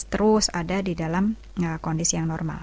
terus ada di dalam kondisi yang normal